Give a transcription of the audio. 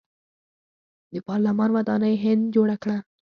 د پارلمان ودانۍ هند جوړه کړه.